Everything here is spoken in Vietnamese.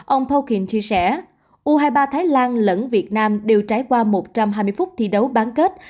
ông pokin chia sẻ u hai mươi ba thái lan lẫn việt nam đều trải qua một trăm hai mươi phút thi đấu bán kết